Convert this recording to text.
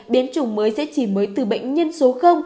biến chủng mới sẽ chỉ mới từ bệnh nhân số